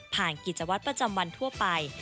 กิจวัตรประจำวันทั่วไป